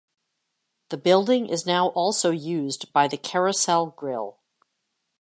The building is now also used by The Carousel Grill.